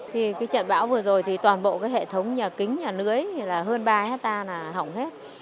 thì cái trận bão vừa rồi thì toàn bộ cái hệ thống nhà kính nhà lưới thì là hơn ba hectare là hỏng hết